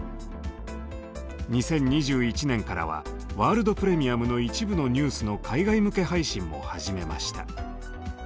２０２１年からは「ワールド・プレミアム」の一部のニュースの海外向け配信も始めました。